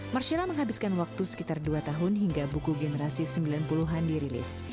marcella menghabiskan waktu sekitar dua tahun hingga buku generasi sembilan puluh an dirilis